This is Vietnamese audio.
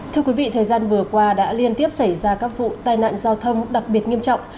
thưa quý vị thời gian vừa qua đã liên tiếp xảy ra các vụ tai nạn giao thông đặc biệt nghiêm trọng